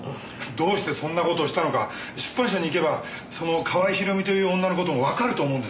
どうしてそんな事をしたのか出版社に行けばその川合ひろみという女の事もわかると思うんです。